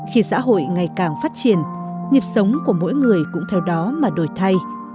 khi xã hội ngày càng phát triển nghiệp sống của mỗi người cũng theo đó mà đổi thay